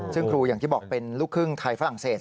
ซึ่งครูอย่างที่บอกเป็นลูกครึ่งไทยฝรั่งเศส